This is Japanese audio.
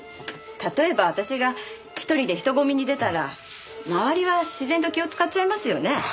例えば私が１人で人混みに出たら周りは自然と気を使っちゃいますよね？